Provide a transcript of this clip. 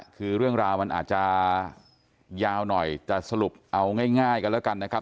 คือเรื่องราวมันอาจจะยาวหน่อยแต่สรุปเอาง่ายกันแล้วกันนะครับ